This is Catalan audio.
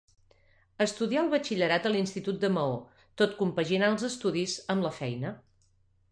Estudià el batxillerat a l'institut de Maó, tot compaginant els estudis amb la feina.